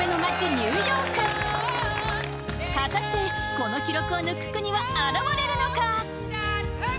ニューヨーク果たしてこの記録を抜く国は現れるのか？